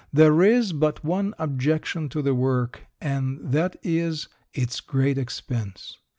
There is but one objection to the work, and that is its great expense.